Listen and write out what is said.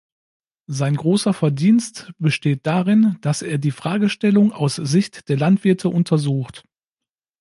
Sein großer Verdienst besteht darin, dass er die Fragestellung aus Sicht der Landwirte untersucht.